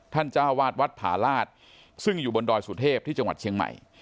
จ้าวาดวัดผาลาศซึ่งอยู่บนดอยสุเทพที่จังหวัดเชียงใหม่